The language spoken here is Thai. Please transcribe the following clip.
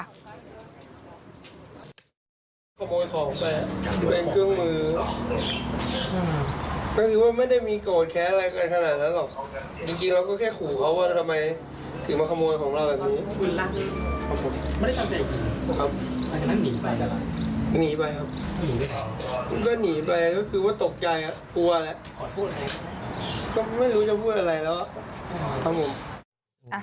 ก็หนีไปก็คือว่าตกใจก็กลัวแหละก็ไม่รู้จะพูดอะไรแล้ว